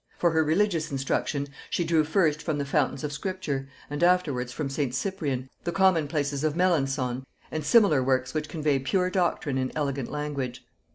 For her religious instruction, she drew first from the fountains of Scripture, and afterwards from St. Cyprian, the 'Common places' of Melancthon, and similar works which convey pure doctrine in elegant language.